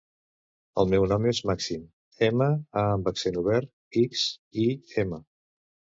El meu nom és Màxim: ema, a amb accent obert, ics, i, ema.